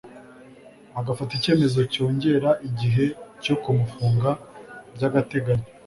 agafata icyemezo cyongera igihe cyo kumufunga by'agateganyo